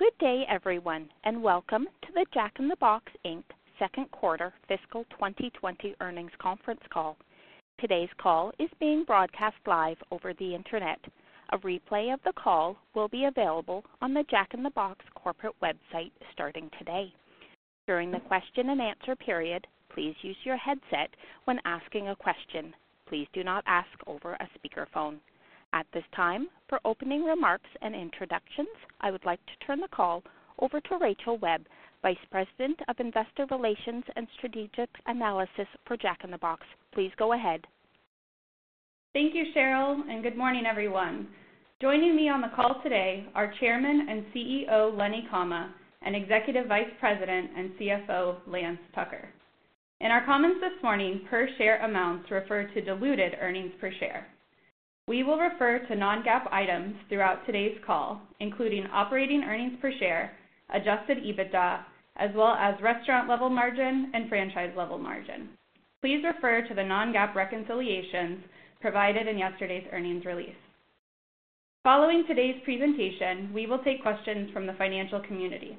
Good day, everyone, and welcome to the Jack in the Box, Inc. Second Quarter Fiscal 2020 Earnings Conference Call. Today's call is being broadcast live over the Internet. A replay of the call will be available on the Jack in the Box corporate website starting today. During the question-and-answer period, please use your headset when asking a question. Please do not ask over a speakerphone. At this time, for opening remarks and introductions, I would like to turn the call over to Rachel Webb, Vice President of Investor Relations and Strategic Analysis for Jack in the Box. Please go ahead. Thank you, Sheryl, and good morning, everyone. Joining me on the call today are Chairman and CEO Lenny Comma and Executive Vice President and CFO Lance Tucker. In our comments this morning, per-share amounts refer to diluted earnings per share. We will refer to non-GAAP items throughout today's call, including operating earnings per share, adjusted EBITDA, as well as restaurant-level margin and franchise-level margin. Please refer to the non-GAAP reconciliations provided in yesterday's earnings release. Following today's presentation, we will take questions from the financial community.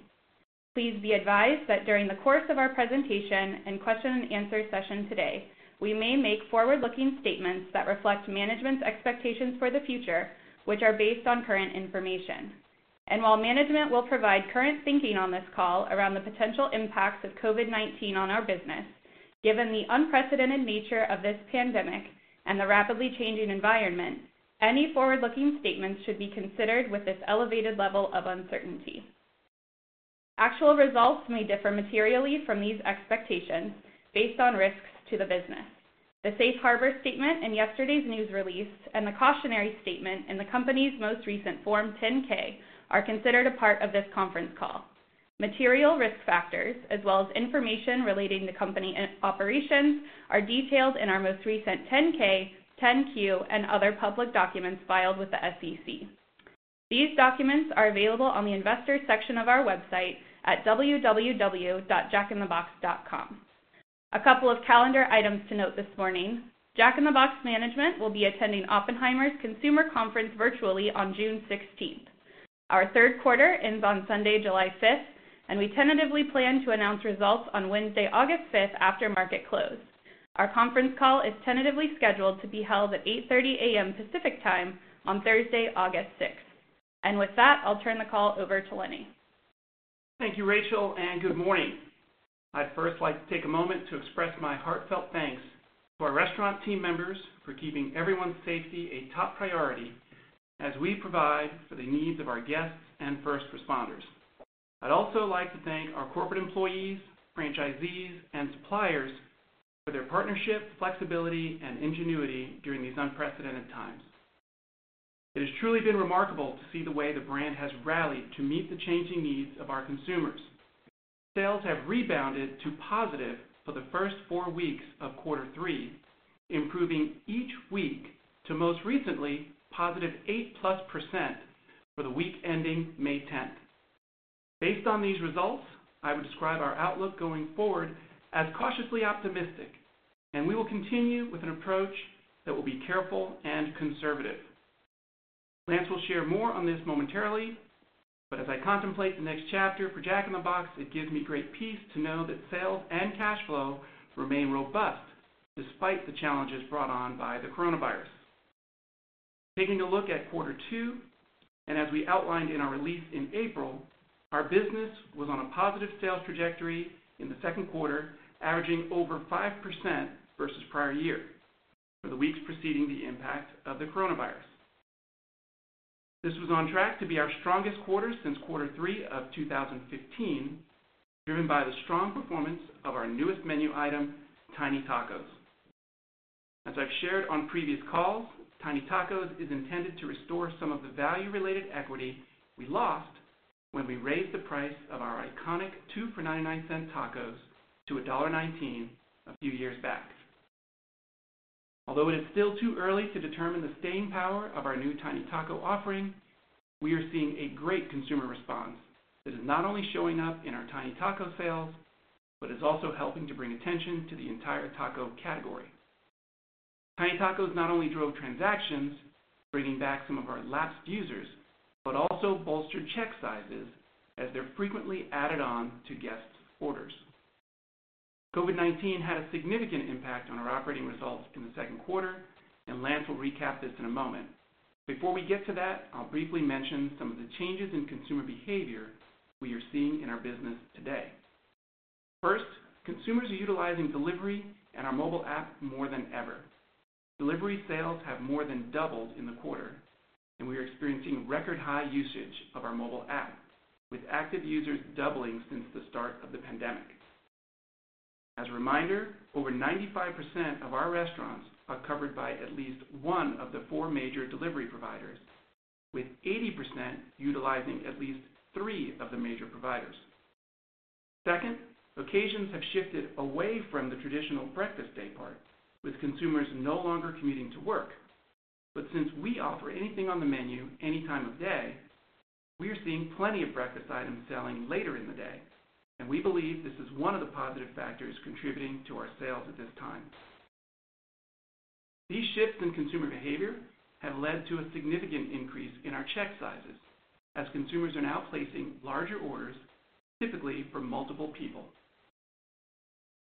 Please be advised that during the course of our presentation and question-and-answer session today, we may make forward-looking statements that reflect management's expectations for the future, which are based on current information. While management will provide current thinking on this call around the potential impacts of COVID-19 on our business, given the unprecedented nature of this pandemic and the rapidly changing environment, any forward-looking statements should be considered with this elevated level of uncertainty. Actual results may differ materially from these expectations based on risks to the business. The Safe Harbor statement in yesterday's news release and the cautionary statement in the company's most recent Form 10-K are considered a part of this conference call. Material risk factors, as well as information relating to company operations, are detailed in our most recent 10-K, 10-Q, and other public documents filed with the SEC. These documents are available on the investors section of our website at www.jackinthebox.com. A couple of calendar items to note this morning: Jack in the Box management will be attending Oppenheimer's Consumer Conference virtually on June 16th.Our third quarter ends on Sunday, July 5th, and we tentatively plan to announce results on Wednesday, August 5th, after market close. Our conference call is tentatively scheduled to be held at 8:30 A.M. Pacific Time on Thursday, August 6th. With that, I'll turn the call over to Lenny. Thank you, Rachel, and good morning. I'd first like to take a moment to express my heartfelt thanks to our restaurant team members for keeping everyone's safety a top priority as we provide for the needs of our guests and first responders. I'd also like to thank our corporate employees, franchisees, and suppliers for their partnership, flexibility, and ingenuity during these unprecedented times. It has truly been remarkable to see the way the brand has rallied to meet the changing needs of our consumers. Sales have rebounded to positive for the first four weeks of quarter three, improving each week to, most recently, positive 8+% for the week ending May 10th. Based on these results, I would describe our outlook going forward as cautiously optimistic, and we will continue with an approach that will be careful and conservative. Lance will share more on this momentarily, but as I contemplate the next chapter for Jack in the Box, it gives me great peace to know that sales and cash flow remain robust despite the challenges brought on by the coronavirus. Taking a look at quarter two, and as we outlined in our release in April, our business was on a positive sales trajectory in the second quarter, averaging over 5% versus prior year for the weeks preceding the impact of the coronavirus. This was on track to be our strongest quarter since quarter three of 2015, driven by the strong performance of our newest menu item, Tiny Tacos. As I've shared on previous calls, Tiny Tacos is intended to restore some of the value-related equity we lost when we raised the price of our iconic $2.99 tacos to $1.19 a few years back. Although it is still too early to determine the staying power of our new Tiny Tacos offering, we are seeing a great consumer response that is not only showing up in our Tiny Tacos sales but is also helping to bring attention to the entire taco category. Tiny Tacos not only drove transactions, bringing back some of our lapsed users, but also bolstered check sizes as they're frequently added on to guests' orders. COVID-19 had a significant impact on our operating results in the second quarter, and Lance will recap this in a moment. Before we get to that, I'll briefly mention some of the changes in consumer behavior we are seeing in our business today. First, consumers are utilizing delivery and our mobile app more than ever. Delivery sales have more than doubled in the quarter, and we are experiencing record-high usage of our mobile app, with active users doubling since the start of the pandemic. As a reminder, over 95% of our restaurants are covered by at least one of the four major delivery providers, with 80% utilizing at least three of the major providers. Second, occasions have shifted away from the traditional breakfast day part, with consumers no longer commuting to work. But since we offer anything on the menu any time of day, we are seeing plenty of breakfast items selling later in the day, and we believe this is one of the positive factors contributing to our sales at this time. These shifts in consumer behavior have led to a significant increase in our check sizes, as consumers are now placing larger orders, typically for multiple people.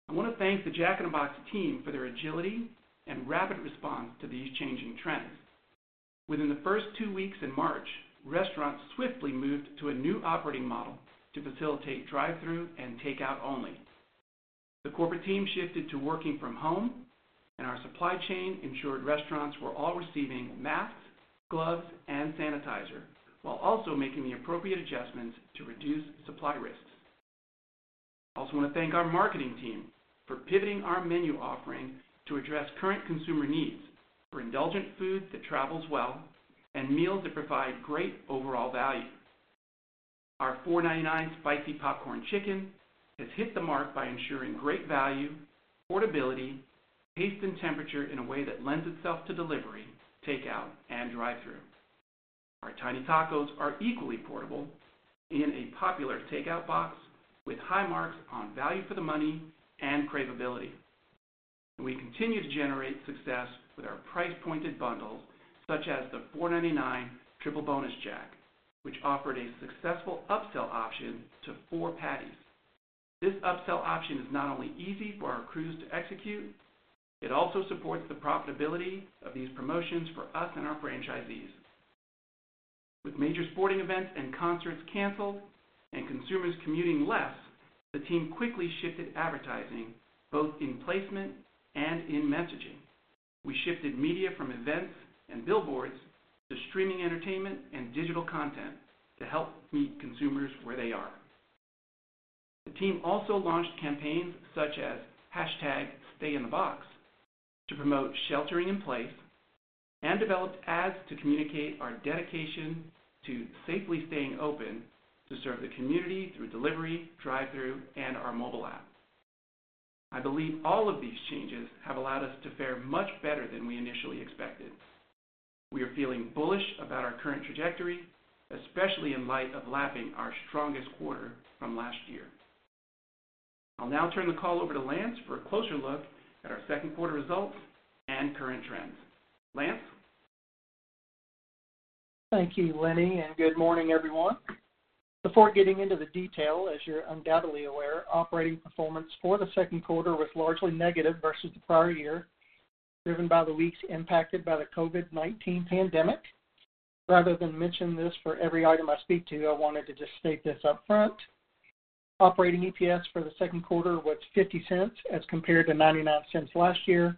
I want to thank the Jack in the Box team for their agility and rapid response to these changing trends. Within the first two weeks in March, restaurants swiftly moved to a new operating model to facilitate drive-through and takeout only. The corporate team shifted to working from home, and our supply chain ensured restaurants were all receiving masks, gloves, and sanitizer, while also making the appropriate adjustments to reduce supply risks. I also want to thank our marketing team for pivoting our menu offering to address current consumer needs for indulgent food that travels well and meals that provide great overall value. Our $4.99 Spicy Popcorn Chicken has hit the mark by ensuring great value, portability, taste and temperature in a way that lends itself to delivery, takeout, and drive-through. Our Tiny Tacos are equally portable in a popular takeout box, with high marks on value for the money and craveability. We continue to generate success with our price-pointed bundles, such as the $4.99 Triple Bonus Jack, which offered a successful upsell option to four patties. This upsell option is not only easy for our crews to execute. It also supports the profitability of these promotions for us and our franchisees. With major sporting events and concerts canceled and consumers commuting less, the team quickly shifted advertising, both in placement and in messaging. We shifted media from events and billboards to streaming entertainment and digital content to help meet consumers where they are. The team also launched campaigns such as #Stayinthebox to promote sheltering in place and developed ads to communicate our dedication to safely staying open to serve the community through delivery, drive-through, and our mobile app. I believe all of these changes have allowed us to fare much better than we initially expected. We are feeling bullish about our current trajectory, especially in light of lapping our strongest quarter from last year. I'll now turn the call over to Lance for a closer look at our second quarter results and current trends. Lance? Thank you, Lenny, and good morning, everyone. Before getting into the detail, as you're undoubtedly aware, operating performance for the second quarter was largely negative versus the prior year, driven by the weeks impacted by the COVID-19 pandemic. Rather than mention this for every item I speak to, I wanted to just state this upfront: operating EPS for the second quarter was $0.50 as compared to $0.99 last year.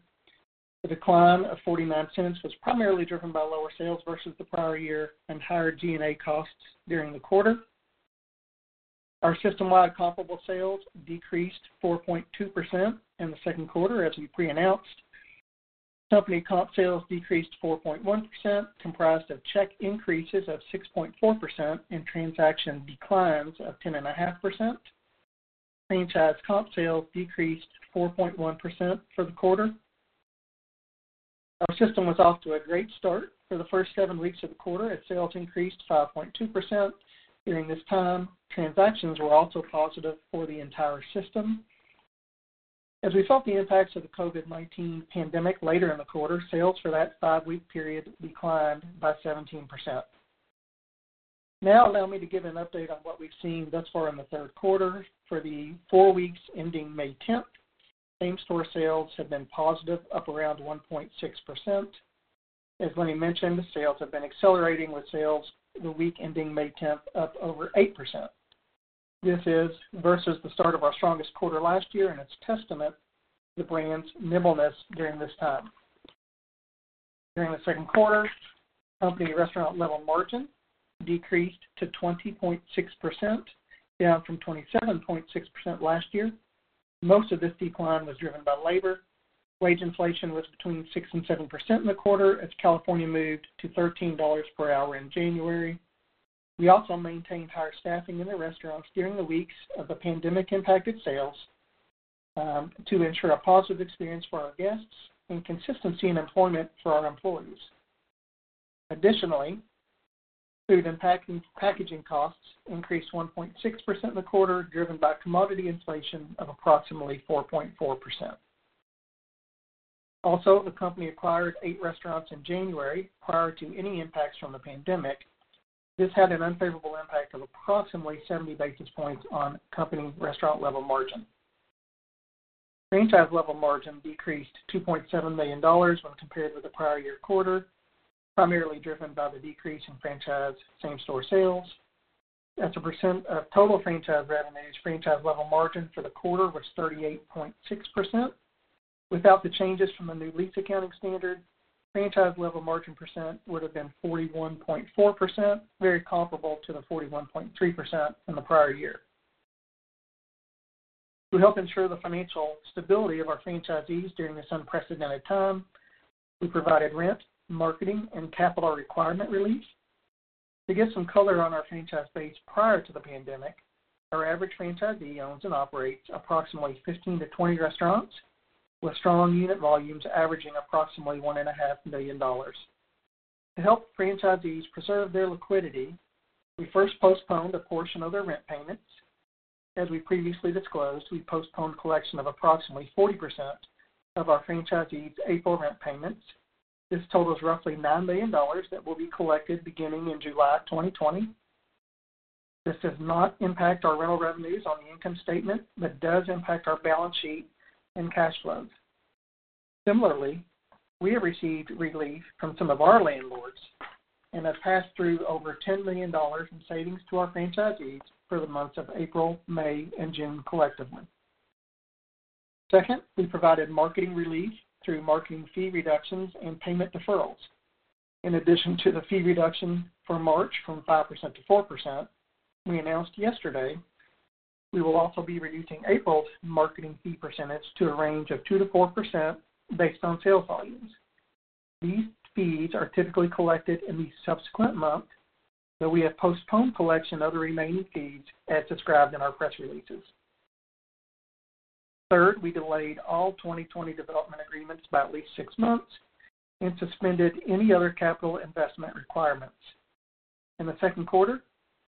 The decline of $0.49 was primarily driven by lower sales versus the prior year and higher G&A costs during the quarter. Our system-wide comparable sales decreased 4.2% in the second quarter, as we pre-announced. Company comp sales decreased 4.1%, comprised of check increases of 6.4% and transaction declines of 10.5%. Franchise comp sales decreased 4.1% for the quarter. Our system was off to a great start for the first seven weeks of the quarter as sales increased 5.2%. During this time, transactions were also positive for the entire system. As we felt the impacts of the COVID-19 pandemic later in the quarter, sales for that 5-week period declined by 17%. Now allow me to give an update on what we've seen thus far in the third quarter. For the four weeks ending May 10th, same-store sales have been positive, up around 1.6%. As Lenny mentioned, sales have been accelerating with sales the week ending May 10th up over 8%. This is versus the start of our strongest quarter last year, and it's testament to the brand's nimbleness during this time. During the second quarter, company restaurant-level margin decreased to 20.6%, down from 27.6% last year. Most of this decline was driven by labor. Wage inflation was between 6%-7% in the quarter as California moved to $13 per hour in January. We also maintained higher staffing in the restaurants during the weeks of the pandemic-impacted sales to ensure a positive experience for our guests and consistency in employment for our employees. Additionally, food and packaging costs increased 1.6% in the quarter, driven by commodity inflation of approximately 4.4%. Also, the company acquired eight restaurants in January prior to any impacts from the pandemic. This had an unfavorable impact of approximately 70 basis points on company Restaurant-Level Margin. Franchise-Level Margin decreased $2.7 million when compared with the prior year quarter, primarily driven by the decrease in franchise same-store sales. As a percent of total franchise revenues, Franchise-Level Margin for the quarter was 38.6%. Without the changes from the new lease accounting standard, Franchise-Level Margin percent would have been 41.4%, very comparable to the 41.3% in the prior year. To help ensure the financial stability of our franchisees during this unprecedented time, we provided rent, marketing, and capital requirement relief. To get some color on our franchise base prior to the pandemic, our average franchisee owns and operates approximately 15-20 restaurants, with strong unit volumes averaging approximately $1.5 million. To help franchisees preserve their liquidity, we first postponed a portion of their rent payments. As we previously disclosed, we postponed collection of approximately 40% of our franchisees' April rent payments. This totals roughly $9 million that will be collected beginning in July 2020. This does not impact our rental revenues on the income statement but does impact our balance sheet and cash flows. Similarly, we have received relief from some of our landlords and have passed through over $10 million in savings to our franchisees for the months of April, May, and June collectively. Second, we provided marketing relief through marketing fee reductions and payment deferrals. In addition to the fee reduction for March from 5%-4%, we announced yesterday, we will also be reducing April's marketing fee percentage to a range of 2%-4% based on sales volumes. These fees are typically collected in the subsequent month, though we have postponed collection of the remaining fees as described in our press releases. Third, we delayed all 2020 development agreements by at least six months and suspended any other capital investment requirements. In the second quarter,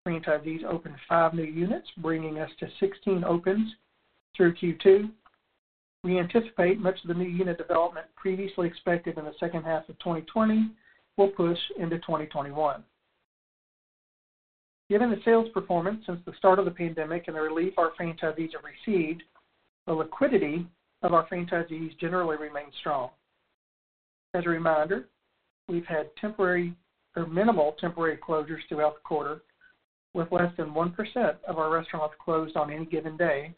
franchisees opened five new units, bringing us to 16 opens through Q2. We anticipate much of the new unit development previously expected in the second half of 2020 will push into 2021. Given the sales performance since the start of the pandemic and the relief our franchisees have received, the liquidity of our franchisees generally remains strong. As a reminder, we've had minimal temporary closures throughout the quarter, with less than 1% of our restaurants closed on any given day,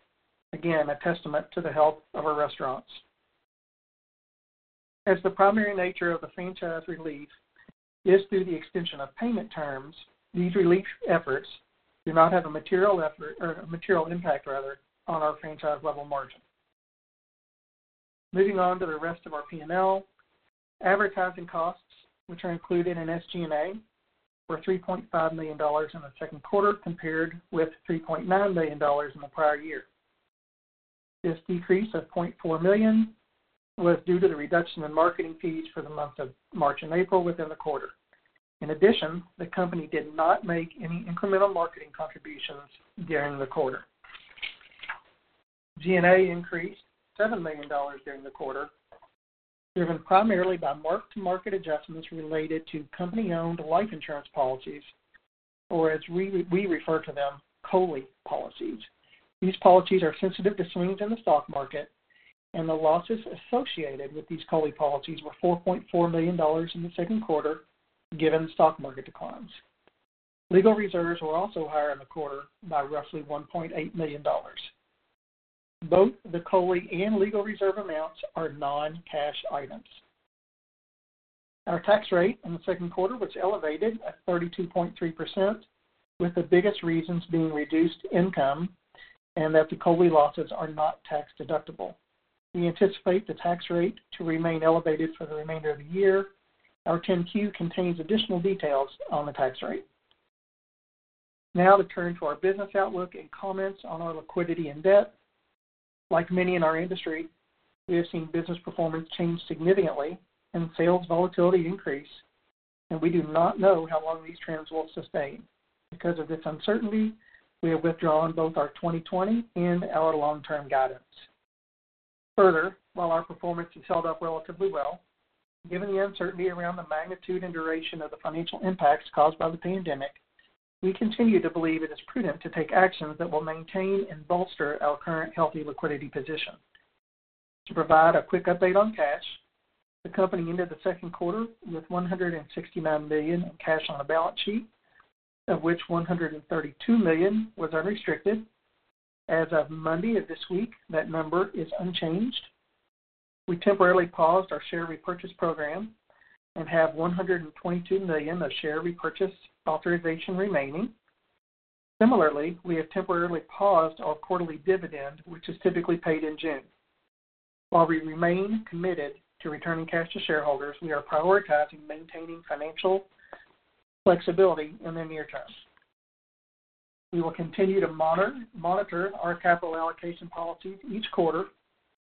again a testament to the health of our restaurants. As the primary nature of the franchise relief is through the extension of payment terms, these relief efforts do not have a material impact on our franchise-level margin. Moving on to the rest of our P&L, advertising costs, which are included in SG&A, were $3.5 million in the second quarter compared with $3.9 million in the prior year. This decrease of $0.4 million was due to the reduction in marketing fees for the months of March and April within the quarter.In addition, the company did not make any incremental marketing contributions during the quarter. G&A increased $7 million during the quarter, driven primarily by mark-to-market adjustments related to company-owned life insurance policies, or as we refer to them, COLI policies. These policies are sensitive to swings in the stock market, and the losses associated with these COLI policies were $4.4 million in the second quarter, given stock market declines. Legal reserves were also higher in the quarter by roughly $1.8 million. Both the COLI and legal reserve amounts are non-cash items. Our tax rate in the second quarter was elevated at 32.3%, with the biggest reasons being reduced income and that the COLI losses are not tax deductible. We anticipate the tax rate to remain elevated for the remainder of the year. Our 10-Q contains additional details on the tax rate. Now to turn to our business outlook and comments on our liquidity and debt. Like many in our industry, we have seen business performance change significantly and sales volatility increase, and we do not know how long these trends will sustain. Because of this uncertainty, we have withdrawn both our 2020 and our long-term guidance. Further, while our performance has held up relatively well, given the uncertainty around the magnitude and duration of the financial impacts caused by the pandemic, we continue to believe it is prudent to take actions that will maintain and bolster our current healthy liquidity position. To provide a quick update on cash, the company ended the second quarter with $169 million in cash on the balance sheet, of which $132 million was unrestricted. As of Monday of this week, that number is unchanged. We temporarily paused our share repurchase program and have $122 million of share repurchase authorization remaining. Similarly, we have temporarily paused our quarterly dividend, which is typically paid in June. While we remain committed to returning cash to shareholders, we are prioritizing maintaining financial flexibility in the near term. We will continue to monitor our capital allocation policies each quarter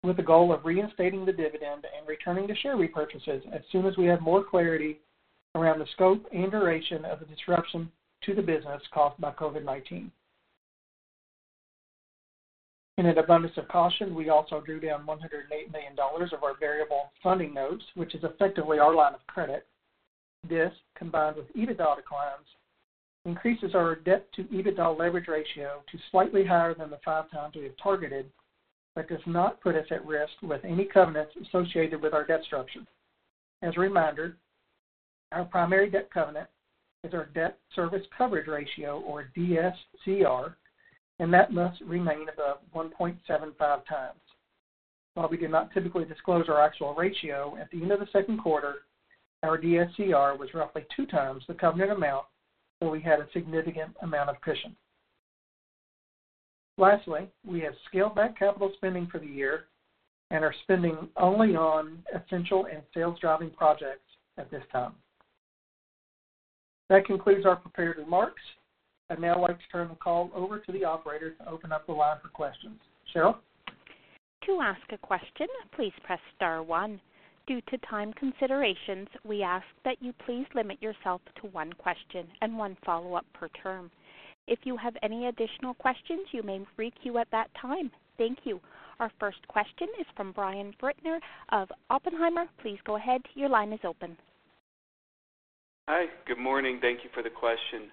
with the goal of reinstating the dividend and returning to share repurchases as soon as we have more clarity around the scope and duration of the disruption to the business caused by COVID-19. In an abundance of caution, we also drew down $108 million of our variable funding notes, which is effectively our line of credit. This, combined with EBITDA declines, increases our debt-to-EBITDA leverage ratio to slightly higher than the 5x we have targeted, but does not put us at risk with any covenants associated with our debt structure. As a reminder, our primary debt covenant is our debt service coverage ratio, or DSCR, and that must remain above 1.75x. While we do not typically disclose our actual ratio, at the end of the second quarter, our DSCR was roughly 2x the covenant amount where we had a significant amount of cushion. Lastly, we have scaled back capital spending for the year and are spending only on essential and sales-driving projects at this time. That concludes our prepared remarks. I'd now like to turn the call over to the operator to open up the line for questions. Sheryl? To ask a question, please press star one. Due to time considerations, we ask that you please limit yourself to one question and one follow-up per term. If you have any additional questions, you may re-queue at that time. Thank you. Our first question is from Brian Bittner of Oppenheimer. Please go ahead. Your line is open. Hi. Good morning. Thank you for the question.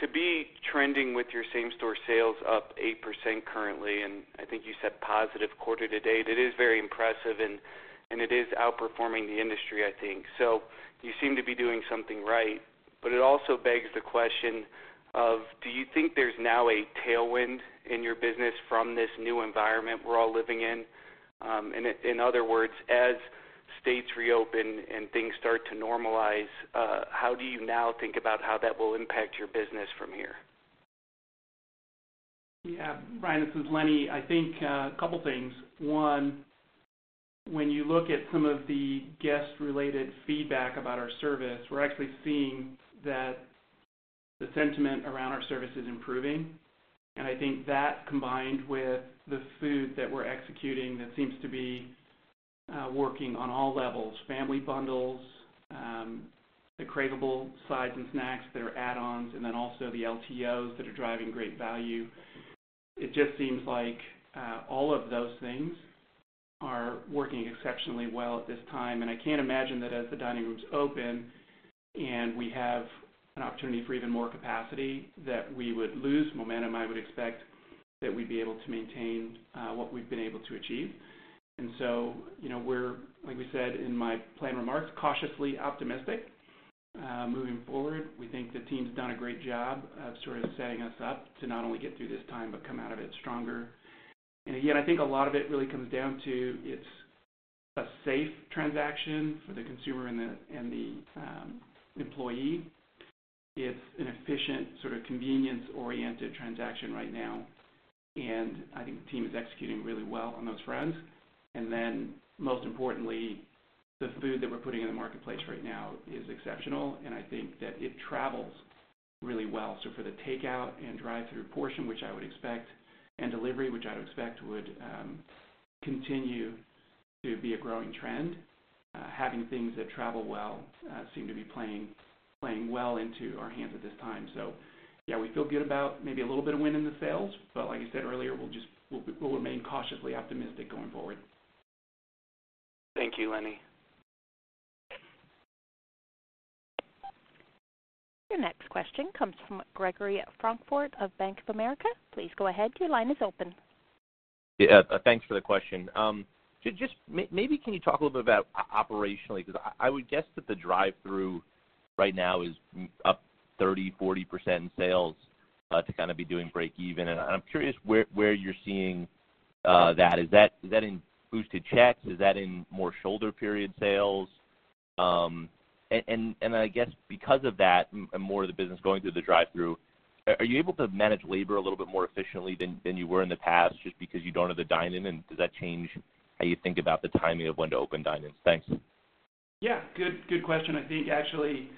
To be trending with your same-store sales up 8% currently, and I think you said positive quarter to date, it is very impressive, and it is outperforming the industry, I think. So you seem to be doing something right, but it also begs the question of, do you think there's now a tailwind in your business from this new environment we're all living in? In other words, as states reopen and things start to normalize, how do you now think about how that will impact your business from here? Yeah. Ryan, this is Lenny. I think a couple of things. One, when you look at some of the guest-related feedback about our service, we're actually seeing that the sentiment around our service is improving. And I think that, combined with the food that we're executing, that seems to be working on all levels: family bundles, the craveable sides and snacks that are add-ons, and then also the LTOs that are driving great value. It just seems like all of those things are working exceptionally well at this time. And I can't imagine that as the dining rooms open and we have an opportunity for even more capacity that we would lose momentum. I would expect that we'd be able to maintain what we've been able to achieve. And so we're, like we said in my plan remarks, cautiously optimistic moving forward. We think the team's done a great job of sort of setting us up to not only get through this time but come out of it stronger. And again, I think a lot of it really comes down to it's a safe transaction for the consumer and the employee. It's an efficient, sort of convenience-oriented transaction right now, and I think the team is executing really well on those fronts. And then, most importantly, the food that we're putting in the marketplace right now is exceptional, and I think that it travels really well. So for the takeout and drive-through portion, which I would expect, and delivery, which I would expect would continue to be a growing trend, having things that travel well seem to be playing well into our hands at this time. So yeah, we feel good about maybe a little bit of win in the sales, but like I said earlier, we'll remain cautiously optimistic going forward. Thank you, Lenny. Your next question comes from Gregory Francfort of Bank of America. Please go ahead. Your line is open. Yeah. Thanks for the question. Maybe can you talk a little bit about operationally? Because I would guess that the drive-through right now is up 30%-40% in sales to kind of be doing break-even. And I'm curious where you're seeing that. Is that in boosted checks? Is that in more shoulder-period sales? And I guess because of that and more of the business going through the drive-through, are you able to manage labor a little bit more efficiently than you were in the past just because you don't have the dining? And does that change how you think about the timing of when to open dinings? Thanks. Yeah. Good question. I think actually,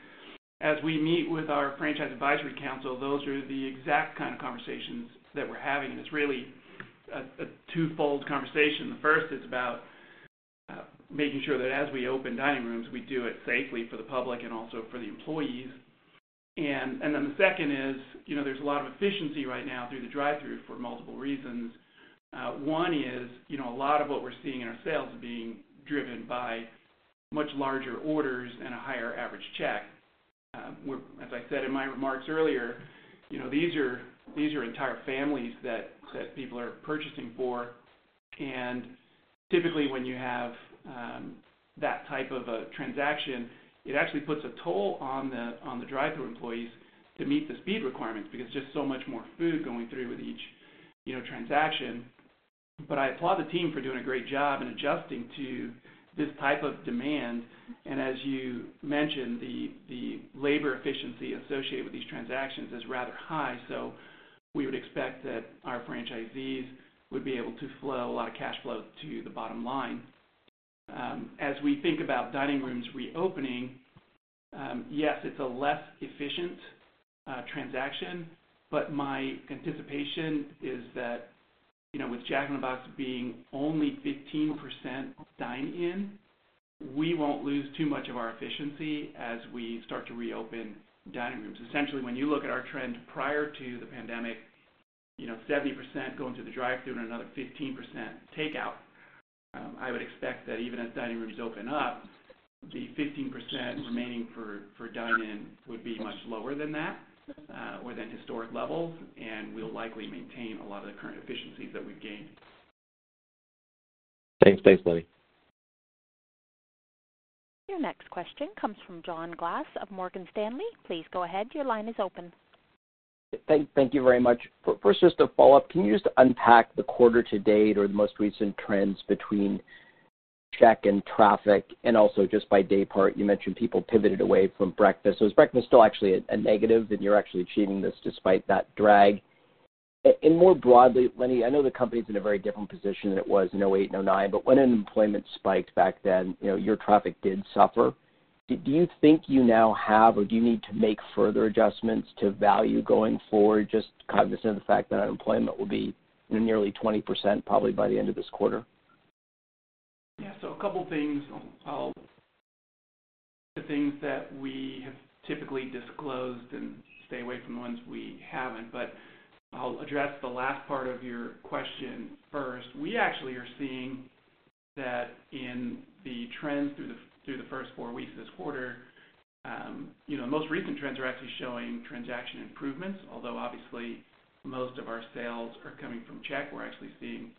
as we meet with our franchise advisory council, those are the exact kind of conversations that we're having. And it's really a twofold conversation. The first is about making sure that as we open dining rooms, we do it safely for the public and also for the employees. And then the second is there's a lot of efficiency right now through the drive-through for multiple reasons. One is a lot of what we're seeing in our sales is being driven by much larger orders and a higher average check. As I said in my remarks earlier, these are entire families that people are purchasing for. And typically, when you have that type of a transaction, it actually puts a toll on the drive-through employees to meet the speed requirements because there's just so much more food going through with each transaction. But I applaud the team for doing a great job and adjusting to this type of demand. And as you mentioned, the labor efficiency associated with these transactions is rather high, so we would expect that our franchisees would be able to flow a lot of cash flow to the bottom line. As we think about dining rooms reopening, yes, it's a less efficient transaction, but my anticipation is that with Jack in the Box being only 15% dine-in, we won't lose too much of our efficiency as we start to reopen dining rooms. Essentially, when you look at our trend prior to the pandemic, 70% going through the drive-through and another 15% takeout, I would expect that even as dining rooms open up, the 15% remaining for dine-in would be much lower than that or than historic levels, and we'll likely maintain a lot of the current efficiencies that we've gained. Thanks. Thanks, Lenny. Your next question comes from John Glass of Morgan Stanley. Please go ahead. Your line is open. Thank you very much. First, just a follow-up. Can you just unpack the quarter to date or the most recent trends between check and traffic? And also just by day part, you mentioned people pivoted away from breakfast. So is breakfast still actually a negative, and you're actually achieving this despite that drag? And more broadly, Lenny, I know the company's in a very different position than it was in 2008 and 2009, but when unemployment spiked back then, your traffic did suffer. Do you think you now have, or do you need to make further adjustments to value going forward, just cognizant of the fact that unemployment will be nearly 20% probably by the end of this quarter? Yeah. So a couple of things. I'll look at the things that we have typically disclosed and stay away from the ones we haven't, but I'll address the last part of your question first. We actually are seeing that in the trends through the first four weeks of this quarter, the most recent trends are actually showing transaction improvements. Although obviously, most of our sales are coming from check, we're actually seeing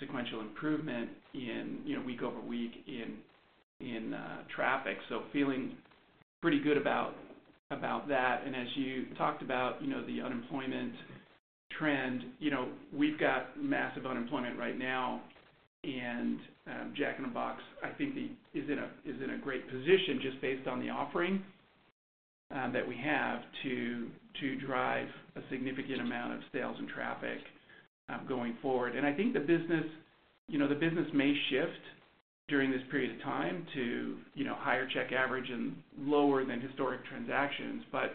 sequential improvement week over week in traffic. So feeling pretty good about that. And as you talked about the unemployment trend, we've got massive unemployment right now, and Jack in the Box, I think, is in a great position just based on the offering that we have to drive a significant amount of sales and traffic going forward.I think the business may shift during this period of time to higher check average and lower than historic transactions, but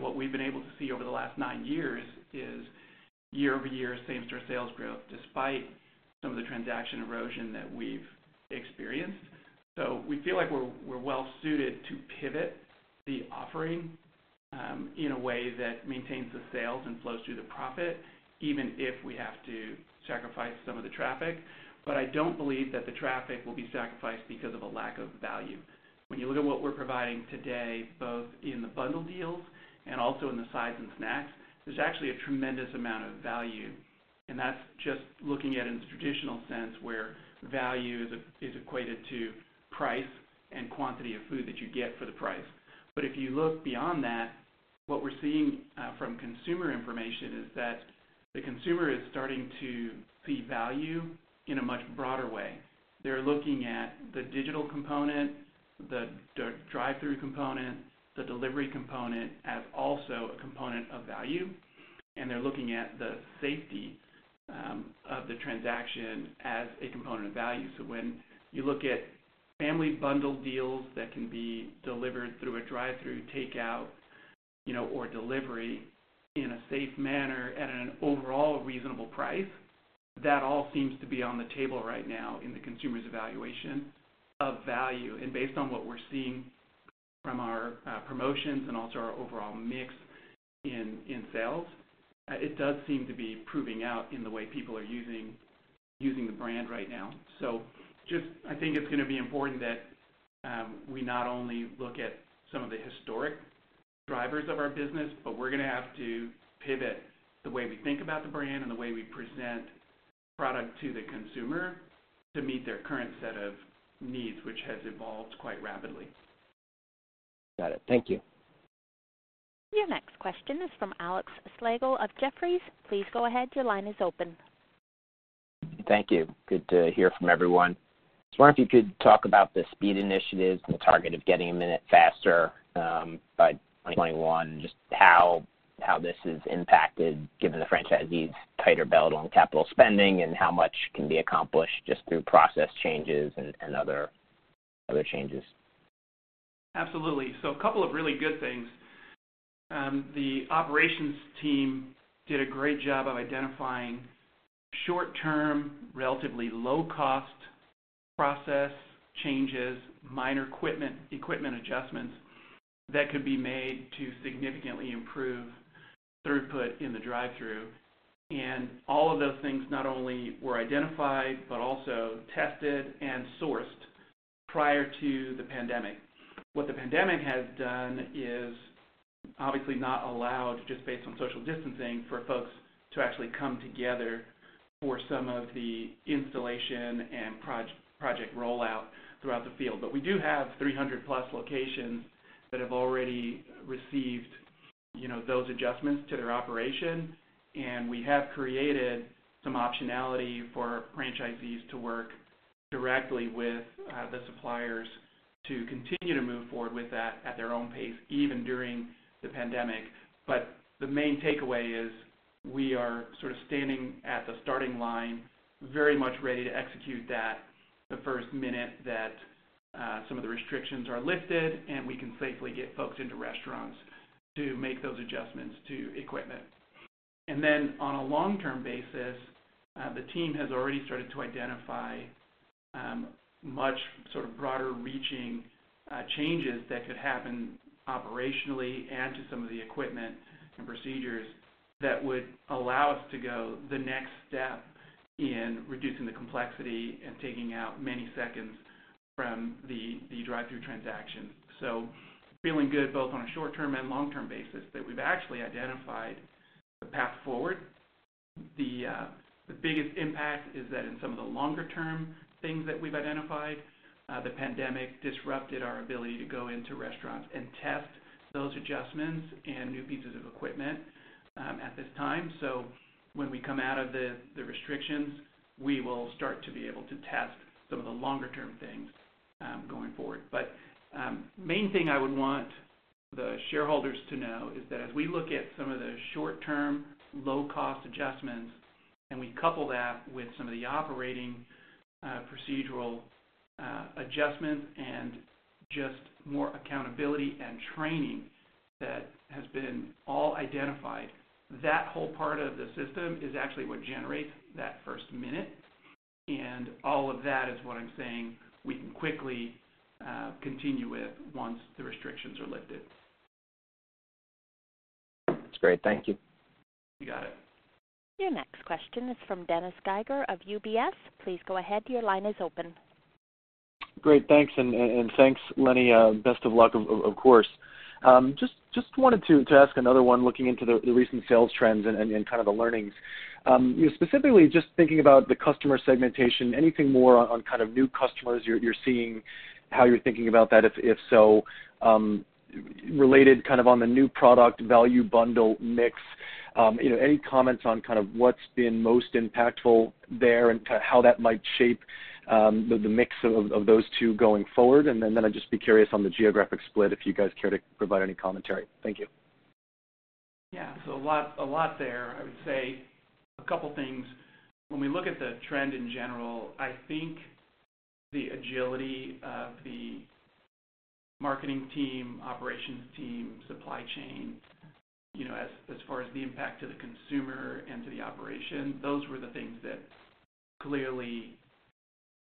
what we've been able to see over the last nine years is year-over-year, same-store sales growth despite some of the transaction erosion that we've experienced. We feel like we're well-suited to pivot the offering in a way that maintains the sales and flows through the profit, even if we have to sacrifice some of the traffic. I don't believe that the traffic will be sacrificed because of a lack of value. When you look at what we're providing today, both in the bundle deals and also in the sides and snacks, there's actually a tremendous amount of value. That's just looking at it in the traditional sense where value is equated to price and quantity of food that you get for the price. But if you look beyond that, what we're seeing from consumer information is that the consumer is starting to see value in a much broader way. They're looking at the digital component, the drive-through component, the delivery component as also a component of value, and they're looking at the safety of the transaction as a component of value. So when you look at family bundle deals that can be delivered through a drive-through, takeout, or delivery in a safe manner at an overall reasonable price, that all seems to be on the table right now in the consumer's evaluation of value. And based on what we're seeing from our promotions and also our overall mix in sales, it does seem to be proving out in the way people are using the brand right now. I think it's going to be important that we not only look at some of the historic drivers of our business, but we're going to have to pivot the way we think about the brand and the way we present product to the consumer to meet their current set of needs, which has evolved quite rapidly. Got it. Thank you. Your next question is from Alexander Slagle of Jefferies. Please go ahead. Your line is open. Thank you. Good to hear from everyone. I was wondering if you could talk about the speed initiatives and the target of getting a minute faster by 2021 and just how this has impacted, given the franchisee's tighter belt on capital spending, and how much can be accomplished just through process changes and other changes. Absolutely. So a couple of really good things. The operations team did a great job of identifying short-term, relatively low-cost process changes, minor equipment adjustments that could be made to significantly improve throughput in the drive-through. All of those things not only were identified but also tested and sourced prior to the pandemic. What the pandemic has done is obviously not allowed, just based on social distancing, for folks to actually come together for some of the installation and project rollout throughout the field. We do have 300+ locations that have already received those adjustments to their operation, and we have created some optionality for franchisees to work directly with the suppliers to continue to move forward with that at their own pace, even during the pandemic. But the main takeaway is we are sort of standing at the starting line, very much ready to execute that the first minute that some of the restrictions are lifted, and we can safely get folks into restaurants to make those adjustments to equipment. And then on a long-term basis, the team has already started to identify much sort of broader-reaching changes that could happen operationally and to some of the equipment and procedures that would allow us to go the next step in reducing the complexity and taking out many seconds from the drive-through transactions. So feeling good both on a short-term and long-term basis that we've actually identified the path forward. The biggest impact is that in some of the longer-term things that we've identified, the pandemic disrupted our ability to go into restaurants and test those adjustments and new pieces of equipment at this time. So when we come out of the restrictions, we will start to be able to test some of the longer-term things going forward. But main thing I would want the shareholders to know is that as we look at some of the short-term, low-cost adjustments, and we couple that with some of the operating procedural adjustments and just more accountability and training that has been all identified, that whole part of the system is actually what generates that first minute. And all of that is what I'm saying we can quickly continue with once the restrictions are lifted. That's great. Thank you. You got it. Your next question is from Dennis Geiger of UBS. Please go ahead. Your line is open. Great. Thanks. And thanks, Lenny. Best of luck, of course. Just wanted to ask another one looking into the recent sales trends and kind of the learnings. Specifically, just thinking about the customer segmentation, anything more on kind of new customers you're seeing, how you're thinking about that, if so, related kind of on the new product value bundle mix, any comments on kind of what's been most impactful there and kind of how that might shape the mix of those two going forward? And then I'd just be curious on the geographic split if you guys care to provide any commentary. Thank you. Yeah. So a lot there. I would say a couple of things. When we look at the trend in general, I think the agility of the marketing team, operations team, supply chain, as far as the impact to the consumer and to the operation, those were the things that clearly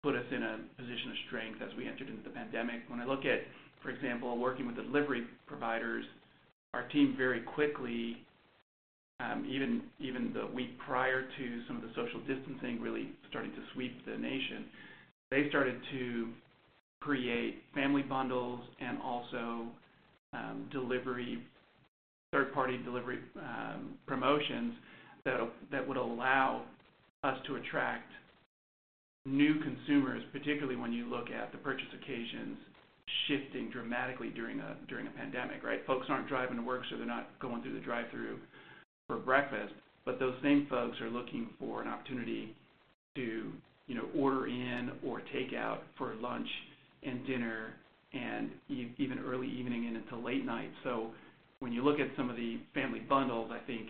put us in a position of strength as we entered into the pandemic. When I look at, for example, working with the delivery providers, our team very quickly, even the week prior to some of the social distancing really starting to sweep the nation, they started to create family bundles and also third-party delivery promotions that would allow us to attract new consumers, particularly when you look at the purchase occasions shifting dramatically during a pandemic, right? Folks aren't driving to work, so they're not going through the drive-through for breakfast. But those same folks are looking for an opportunity to order in or take out for lunch and dinner and even early evening and into late night. So when you look at some of the family bundles, I think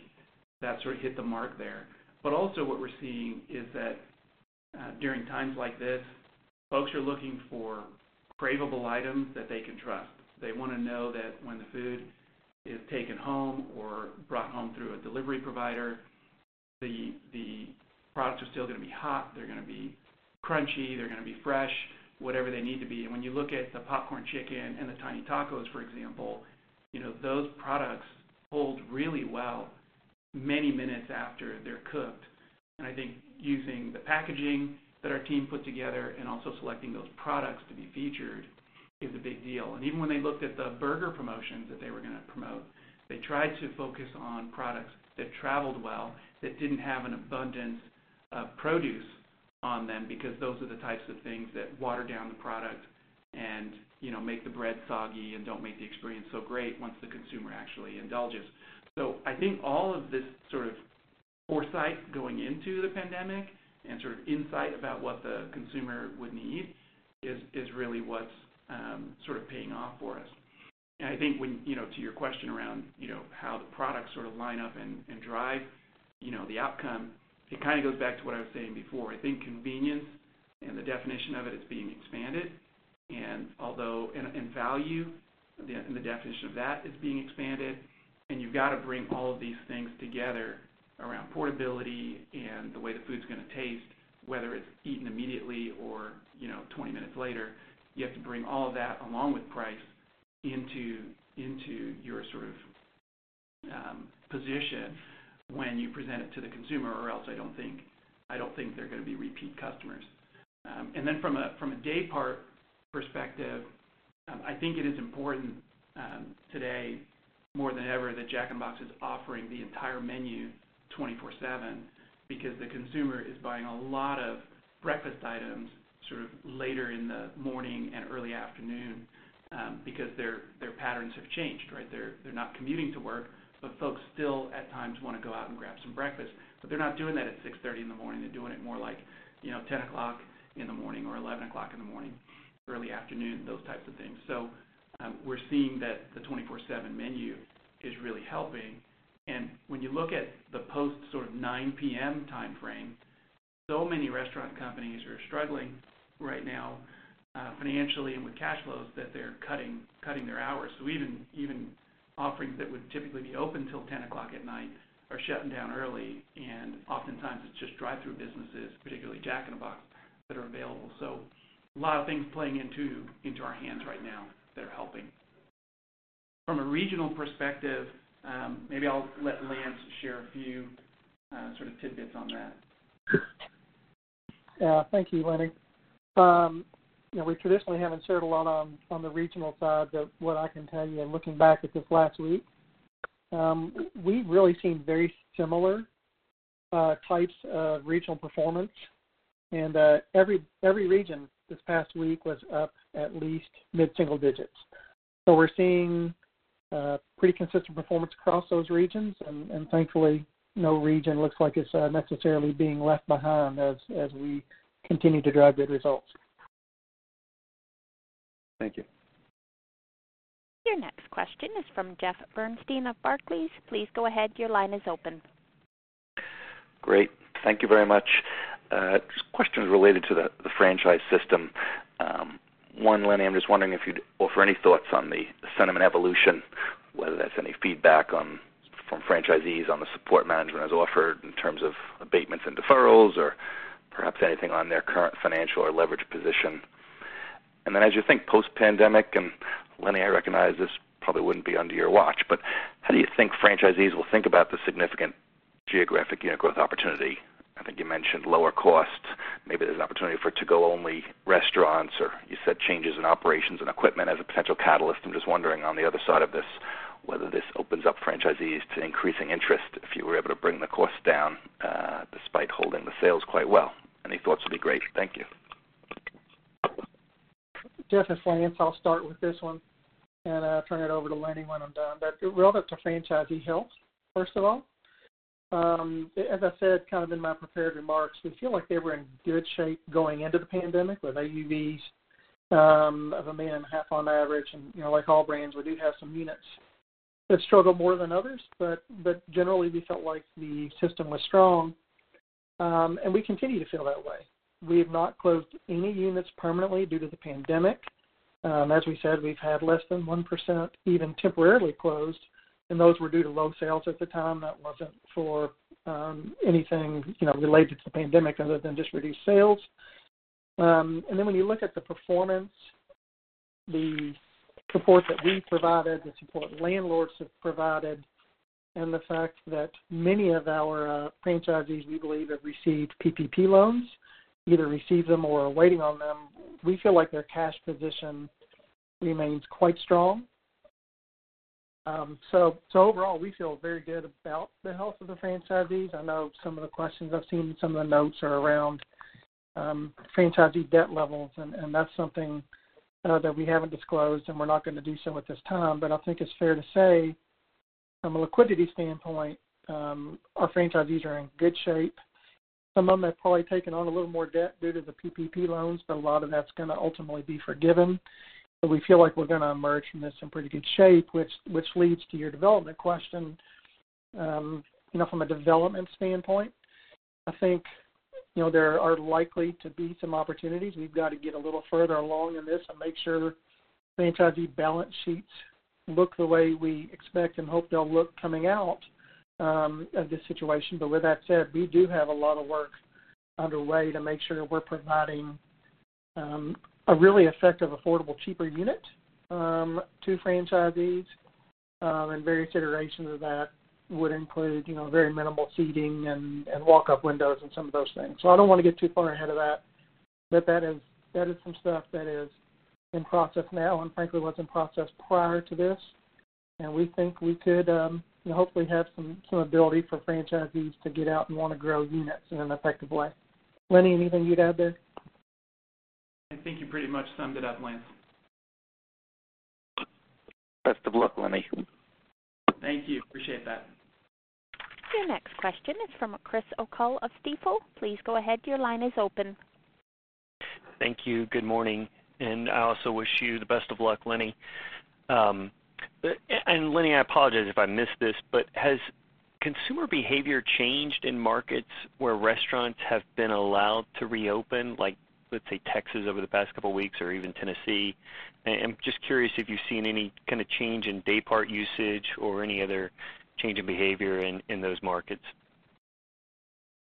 that sort of hit the mark there. But also what we're seeing is that during times like this, folks are looking for craveable items that they can trust. They want to know that when the food is taken home or brought home through a delivery provider, the products are still going to be hot. They're going to be crunchy. They're going to be fresh, whatever they need to be. And when you look at the Popcorn Chicken and the Tiny Tacos, for example, those products hold really well many minutes after they're cooked. And I think using the packaging that our team put together and also selecting those products to be featured is a big deal. And even when they looked at the burger promotions that they were going to promote, they tried to focus on products that traveled well, that didn't have an abundance of produce on them because those are the types of things that water down the product and make the bread soggy and don't make the experience so great once the consumer actually indulges. So I think all of this sort of foresight going into the pandemic and sort of insight about what the consumer would need is really what's sort of paying off for us. And I think to your question around how the products sort of line up and drive the outcome, it kind of goes back to what I was saying before.I think convenience and the definition of it is being expanded. Value and the definition of that is being expanded. You've got to bring all of these things together around portability and the way the food's going to taste, whether it's eaten immediately or 20 minutes later. You have to bring all of that along with price into your sort of position when you present it to the consumer, or else I don't think they're going to be repeat customers. Then from a day part perspective, I think it is important today more than ever that Jack in the Box is offering the entire menu 24/7 because the consumer is buying a lot of breakfast items sort of later in the morning and early afternoon because their patterns have changed, right? They're not commuting to work, but folks still at times want to go out and grab some breakfast. But they're not doing that at 6:30 A.M. They're doing it more like 10:00 A.M. or 11:00 A.M., early afternoon, those types of things. So we're seeing that the 24/7 menu is really helping. And when you look at the post-sort of 9:00 P.M. time frame, so many restaurant companies are struggling right now financially and with cash flows that they're cutting their hours. So even offerings that would typically be open till 10:00 P.M. are shutting down early. And oftentimes, it's just drive-through businesses, particularly Jack in the Box, that are available. So a lot of things playing into our hands right now that are helping. From a regional perspective, maybe I'll let Lance share a few sort of tidbits on that. Yeah. Thank you, Lenny. We traditionally haven't shared a lot on the regional side, but what I can tell you, and looking back at this last week, we've really seen very similar types of regional performance. Every region this past week was up at least mid-single digits. We're seeing pretty consistent performance across those regions. Thankfully, no region looks like it's necessarily being left behind as we continue to drive good results. Thank you. Your next question is from Jeffrey Bernstein of Barclays. Please go ahead. Your line is open. Great. Thank you very much. Questions related to the franchise system. One, Lenny, I'm just wondering if you'd offer any thoughts on the sentiment evolution, whether that's any feedback from franchisees on the support management as offered in terms of abatements and deferrals or perhaps anything on their current financial or leverage position. And then as you think post-pandemic and Lenny, I recognize this probably wouldn't be under your watch, but how do you think franchisees will think about the significant geographic growth opportunity? I think you mentioned lower costs. Maybe there's an opportunity for to-go-only restaurants, or you said changes in operations and equipment as a potential catalyst. I'm just wondering on the other side of this whether this opens up franchisees to increasing interest if you were able to bring the costs down despite holding the sales quite well. Any thoughts would be great. Thank you. Jeff and Lance, I'll start with this one and turn it over to Lenny when I'm done. But relative to franchisee health, first of all, as I said kind of in my prepared remarks, we feel like they were in good shape going into the pandemic with AUVs of a million and a half on average. And like all brands, we do have some units that struggled more than others, but generally, we felt like the system was strong. And we continue to feel that way. We have not closed any units permanently due to the pandemic. As we said, we've had less than 1% even temporarily closed. And those were due to low sales at the time. That wasn't for anything related to the pandemic other than just reduced sales. Then when you look at the performance, the support that we provided, the support landlords have provided, and the fact that many of our franchisees, we believe, have received PPP loans, either received them or are waiting on them, we feel like their cash position remains quite strong. Overall, we feel very good about the health of the franchisees. I know some of the questions I've seen in some of the notes are around franchisee debt levels. That's something that we haven't disclosed, and we're not going to do so at this time. I think it's fair to say, from a liquidity standpoint, our franchisees are in good shape. Some of them have probably taken on a little more debt due to the PPP loans, but a lot of that's going to ultimately be forgiven. But we feel like we're going to emerge from this in pretty good shape, which leads to your development question. From a development standpoint, I think there are likely to be some opportunities. We've got to get a little further along in this and make sure franchisee balance sheets look the way we expect and hope they'll look coming out of this situation. But with that said, we do have a lot of work underway to make sure we're providing a really effective, affordable, cheaper unit to franchisees. And various iterations of that would include very minimal seating and walk-up windows and some of those things. So I don't want to get too far ahead of that. But that is some stuff that is in process now and frankly was in process prior to this. And we think we could hopefully have some ability for franchisees to get out and want to grow units in an effective way. Lenny, anything you'd add there? I think you pretty much summed it up, Lance. Best of luck, Lenny. Thank you. Appreciate that. Your next question is from Chris O'Cull of Stifel. Please go ahead. Your line is open. Thank you. Good morning. I also wish you the best of luck, Lenny. Lenny, I apologize if I missed this, but has consumer behavior changed in markets where restaurants have been allowed to reopen, let's say Texas over the past couple of weeks or even Tennessee? I'm just curious if you've seen any kind of change in day part usage or any other change in behavior in those markets.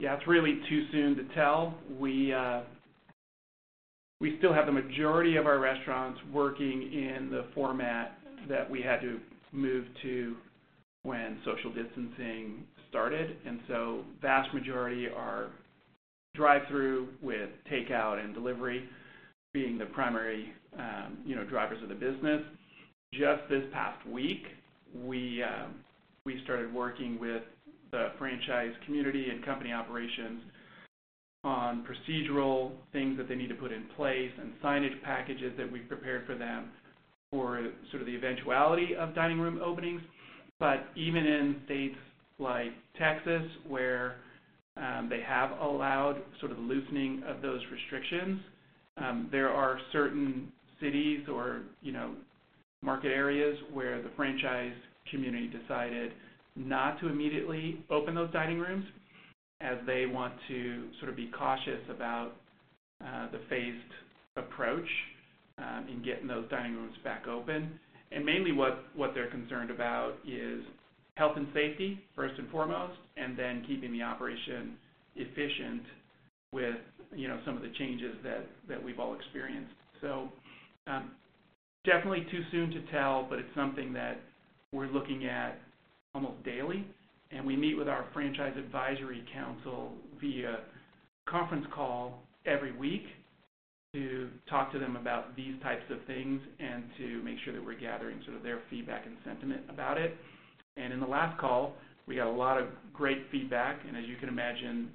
Yeah. It's really too soon to tell. We still have the majority of our restaurants working in the format that we had to move to when social distancing started. And so vast majority are drive-through with takeout and delivery being the primary drivers of the business. Just this past week, we started working with the franchise community and company operations on procedural things that they need to put in place and signage packages that we've prepared for them for sort of the eventuality of dining room openings. But even in states like Texas where they have allowed sort of the loosening of those restrictions, there are certain cities or market areas where the franchise community decided not to immediately open those dining rooms as they want to sort of be cautious about the phased approach in getting those dining rooms back open. Mainly what they're concerned about is health and safety first and foremost and then keeping the operation efficient with some of the changes that we've all experienced. Definitely too soon to tell, but it's something that we're looking at almost daily. We meet with our franchise advisory council via conference call every week to talk to them about these types of things and to make sure that we're gathering sort of their feedback and sentiment about it. In the last call, we got a lot of great feedback and, as you can imagine,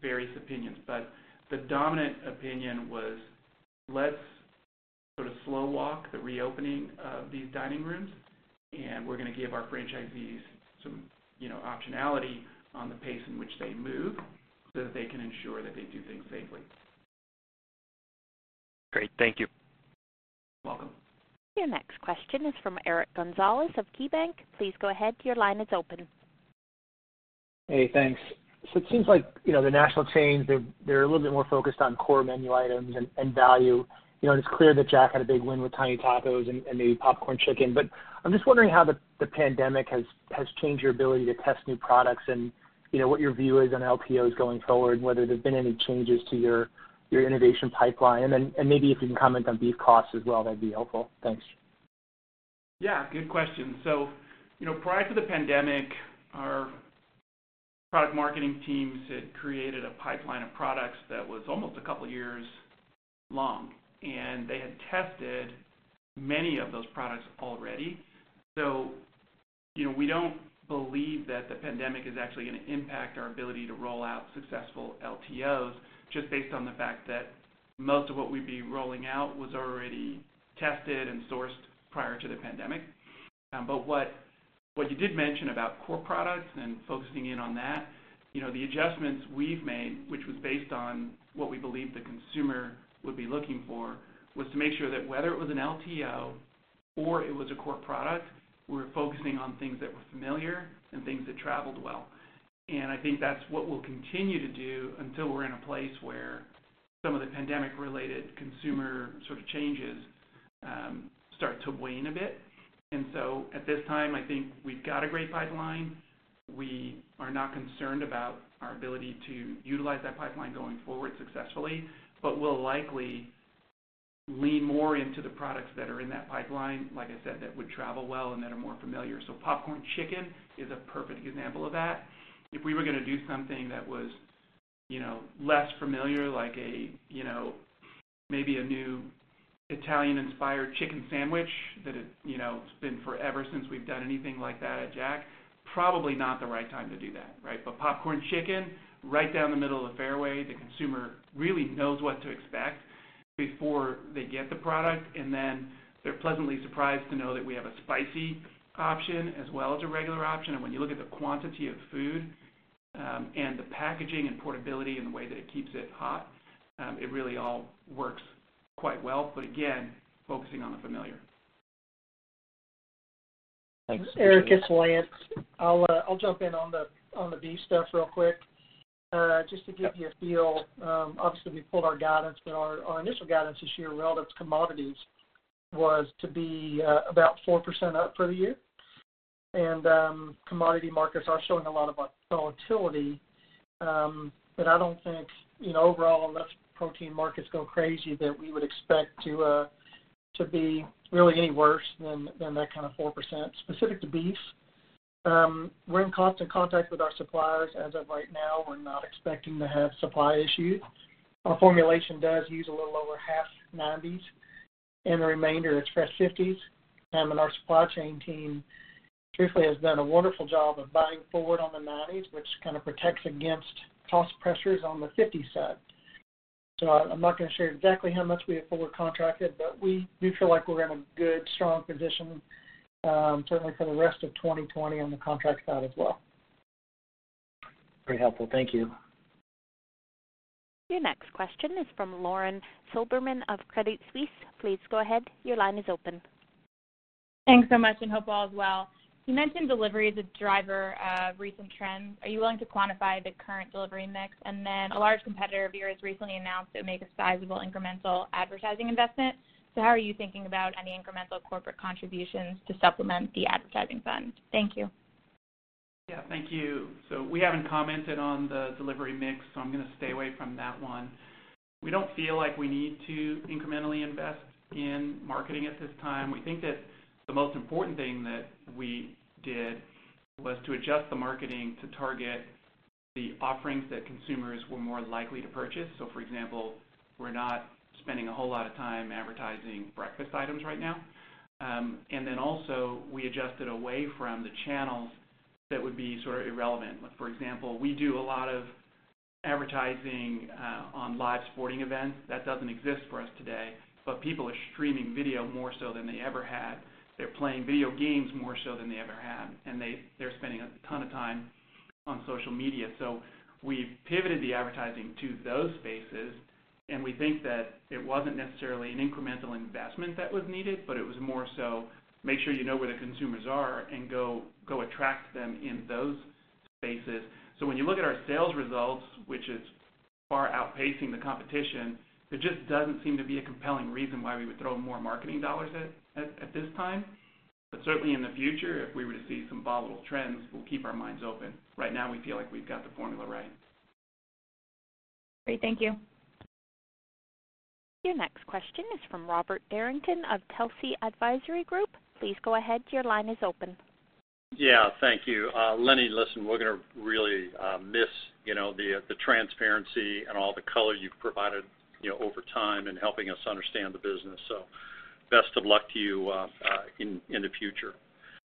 various opinions. But the dominant opinion was, "Let's sort of slow-walk the reopening of these dining rooms, and we're going to give our franchisees some optionality on the pace in which they move so that they can ensure that they do things safely. Great. Thank you. You're welcome. Your next question is from Eric Gonzalez of KeyBanc. Please go ahead. Your line is open. Hey. Thanks. So it seems like the national chains, they're a little bit more focused on core menu items and value. And it's clear that Jack had a big win with Tiny Tacos and maybe Popcorn Chicken. But I'm just wondering how the pandemic has changed your ability to test new products and what your view is on LTOs going forward, whether there's been any changes to your innovation pipeline. And then maybe if you can comment on beef costs as well, that'd be helpful. Thanks. Yeah. Good question. So prior to the pandemic, our product marketing teams had created a pipeline of products that was almost a couple of years long. And they had tested many of those products already. So we don't believe that the pandemic is actually going to impact our ability to roll out successful LTOs just based on the fact that most of what we'd be rolling out was already tested and sourced prior to the pandemic. But what you did mention about core products and focusing in on that, the adjustments we've made, which was based on what we believe the consumer would be looking for, was to make sure that whether it was an LTO or it was a core product, we were focusing on things that were familiar and things that traveled well. I think that's what we'll continue to do until we're in a place where some of the pandemic-related consumer sort of changes start to wane a bit. So at this time, I think we've got a great pipeline. We are not concerned about our ability to utilize that pipeline going forward successfully but will likely lean more into the products that are in that pipeline, like I said, that would travel well and that are more familiar. Popcorn Chicken is a perfect example of that. If we were going to do something that was less familiar, like maybe a new Italian-inspired chicken sandwich that it's been forever since we've done anything like that at Jack, probably not the right time to do that, right? But Popcorn Chicken, right down the middle of the fairway, the consumer really knows what to expect before they get the product. And then they're pleasantly surprised to know that we have a spicy option as well as a regular option. And when you look at the quantity of food and the packaging and portability and the way that it keeps it hot, it really all works quite well. But again, focusing on the familiar. Thanks, Eric. It's Lance. I'll jump in on the beef stuff real quick just to give you a feel. Obviously, we pulled our guidance, but our initial guidance this year relative to commodities was to be about 4% up for the year. Commodity markets are showing a lot of volatility. I don't think overall, unless protein markets go crazy, that we would expect to be really any worse than that kind of 4%. Specific to beef, we're in constant contact with our suppliers. As of right now, we're not expecting to have supply issues. Our formulation does use a little over half 90s. The remainder, it's fresh 50s. Our supply chain team, truthfully, has done a wonderful job of buying forward on the 90s, which kind of protects against cost pressures on the 50 side. I'm not going to share exactly how much we have forward contracted, but we do feel like we're in a good, strong position, certainly for the rest of 2020 on the contract side as well. Very helpful. Thank you. Your next question is from Lauren Silberman of Credit Suisse. Please go ahead. Your line is open. Thanks so much. And hope all is well. You mentioned delivery is a driver of recent trends. Are you willing to quantify the current delivery mix? And then a large competitor of yours recently announced it would make a sizable incremental advertising investment. So how are you thinking about any incremental corporate contributions to supplement the advertising fund? Thank you. Yeah. Thank you. So we haven't commented on the delivery mix, so I'm going to stay away from that one. We don't feel like we need to incrementally invest in marketing at this time. We think that the most important thing that we did was to adjust the marketing to target the offerings that consumers were more likely to purchase. So for example, we're not spending a whole lot of time advertising breakfast items right now. And then also, we adjusted away from the channels that would be sort of irrelevant. For example, we do a lot of advertising on live sporting events. That doesn't exist for us today, but people are streaming video more so than they ever had. They're playing video games more so than they ever had. And they're spending a ton of time on social media. So we've pivoted the advertising to those spaces. We think that it wasn't necessarily an incremental investment that was needed, but it was more so make sure you know where the consumers are and go attract them in those spaces. When you look at our sales results, which is far outpacing the competition, there just doesn't seem to be a compelling reason why we would throw more marketing dollars at this time. Certainly in the future, if we were to see some volatile trends, we'll keep our minds open. Right now, we feel like we've got the formula right. Great. Thank you. Your next question is from Robert Derrington of Telsey Advisory Group. Please go ahead. Your line is open. Yeah. Thank you. Lenny, listen, we're going to really miss the transparency and all the color you've provided over time in helping us understand the business. So best of luck to you in the future.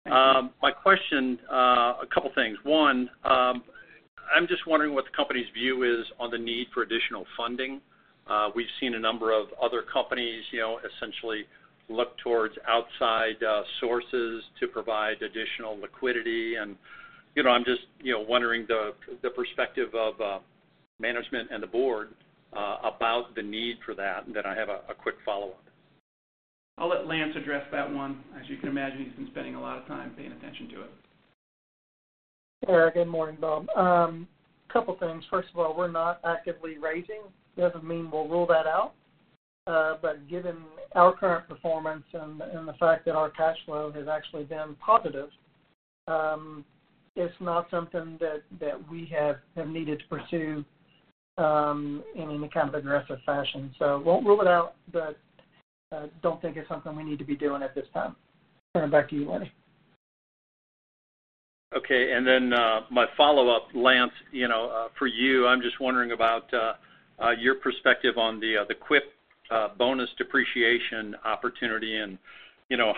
My question, a couple of things. One, I'm just wondering what the company's view is on the need for additional funding. We've seen a number of other companies essentially look towards outside sources to provide additional liquidity. And I'm just wondering the perspective of management and the board about the need for that. And then I have a quick follow-up. I'll let Lance address that one. As you can imagine, he's been spending a lot of time paying attention to it. Yeah. Good morning, Bob. A couple of things. First of all, we're not actively raising. Doesn't mean we'll rule that out. But given our current performance and the fact that our cash flow has actually been positive, it's not something that we have needed to pursue in any kind of aggressive fashion. So won't rule it out, but don't think it's something we need to be doing at this time. Turn it back to you, Lenny. Okay. And then my follow-up, Lance, for you, I'm just wondering about your perspective on the quick bonus depreciation opportunity and